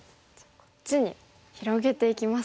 こっちに広げていきますか。